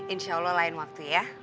insya allah lain waktu ya